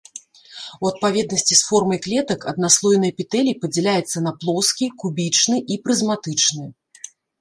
У адпаведнасці з формай клетак аднаслойны эпітэлій падзяляецца на плоскі, кубічны і прызматычны.